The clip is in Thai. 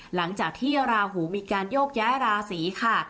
หลังจากที่ราหูมีการโยกย้ายราศีค่ะ